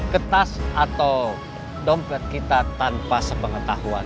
kertas atau dompet kita tanpa sepengetahuan